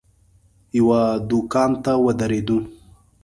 یوه دوکان ته ودرېدو.